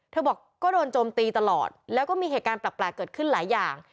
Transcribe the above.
บอกก็โดนโจมตีตลอดแล้วก็มีเหตุการณ์แปลกเกิดขึ้นหลายอย่าง